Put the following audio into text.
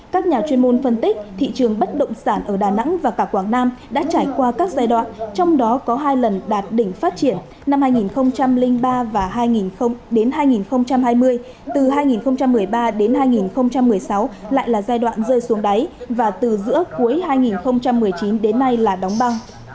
các nhà chuyên môn phân tích thị trường bất động sản ở đà nẵng và cả quảng nam đã trải qua các giai đoạn trong đó có hai lần đạt đỉnh phát triển năm hai nghìn ba và hai nghìn hai mươi từ hai nghìn một mươi ba đến hai nghìn một mươi sáu lại là giai đoạn rơi xuống đáy và từ giữa cuối hai nghìn một mươi chín đến nay là đóng băng